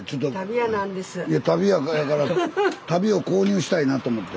いや足袋屋やから足袋を購入したいなと思って。